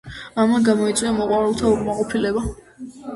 ამან გამოიწვია მოყვარულთა უკმაყოფილება.